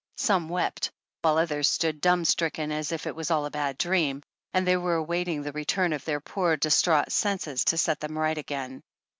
Some wept, while others stood dumb stricken as if it was all a bad dream, and they were awaiting the return of their poor distraught senses to set them right again.